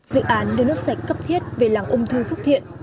dự án đưa nước sạch cấp thiết về làng ung thư phước thiện